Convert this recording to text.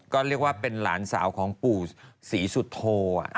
ก็เรียกว่าเป็นหลานสาวของปู่ศรีสุโธ